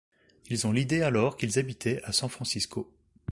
Ils ont l'idée alors qu'ils habitaient à San Francisco.